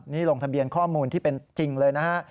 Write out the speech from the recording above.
นี่ลงทะเบียนข้อมูลที่เป็นจริงเลยนะฮะ